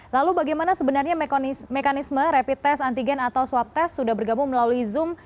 lalu bagaimana sebenarnya mekanisme rapid test antigen atau swab test sudah bergabung melalui zoom